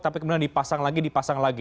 tapi kemudian dipasang lagi dipasang lagi